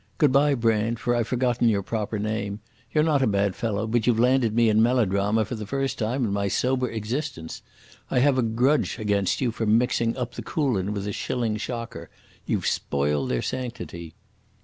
Goodbye, Brand, for I've forgotten your proper name. You're not a bad fellow, but you've landed me in melodrama for the first time in my sober existence. I have a grudge against you for mixing up the Coolin with a shilling shocker. You've spoiled their sanctity."